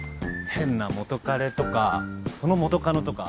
変な元カレとかその元カノとか。